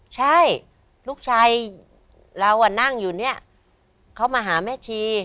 ใช่ลูกชายเรานั่งอยู่เนี่ยเขามาหาแม่ชี